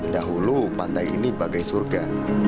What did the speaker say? dahulu pantai ini bagai surga